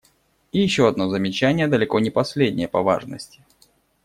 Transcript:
И еще одно замечание, далеко не последнее по важности.